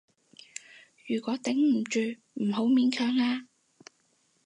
如果頂唔住，唔好勉強啊